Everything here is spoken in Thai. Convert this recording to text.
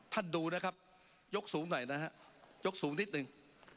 ท่านดูนะครับยกสูงหน่อยนะครับยกสูงนิดนึง